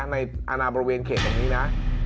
ในอนาบริเวณเขตแบบนี้นะ